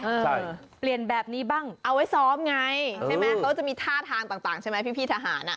เปลี่ยนแบบนี้บ้างเอาไว้ซ้อมไงใช่ไหมเขาจะมีท่าทางต่างต่างใช่ไหมพี่ทหารอ่ะ